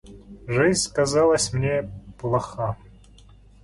Жизнь казалась мне плоха.